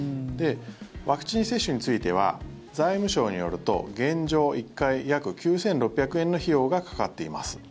ワクチン接種については財務省によると現状、１回約９６００円の費用がかかっています。